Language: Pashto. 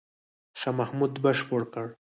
شاه محمود بشپړ کړ.